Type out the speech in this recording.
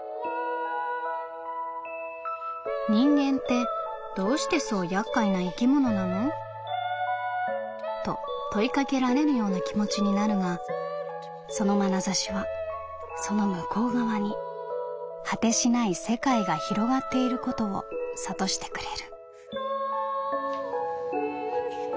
「人間ってどうしてそう厄介な生き物なのと問いかけられるような気持ちになるがその眼差しはその向こう側に果てしない世界が広がっていることを諭してくれる」。